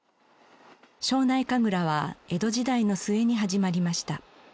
庄内神楽は江戸時代の末に始まりました。